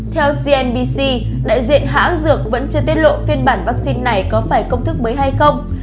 theo cnbc đại diện hãng dược vẫn chưa tiết lộ phiên bản vaccine này có phải công thức mới hay không